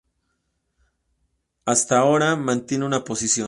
Hasta ahora, mantiene esta posición.